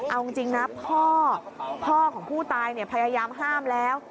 เอาจริงนะพ่อพ่อของผู้ตายพยายามห้ามแล้ว